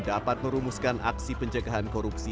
dapat merumuskan aksi pencegahan korupsi